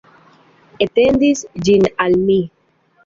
Etendis ĝin al mi.